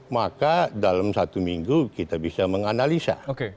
maka dalam satu minggu kita bisa menganalisa